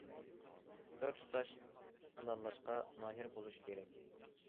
بىر تۇتاش پىلانلاشقا ماھىر بولۇش كېرەك.